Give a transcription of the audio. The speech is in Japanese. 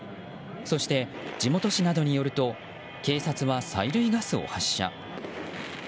そして、地元紙などによると警察は催涙ガスを発射。